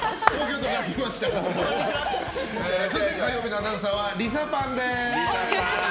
そして火曜日のアナウンサーはリサパンです。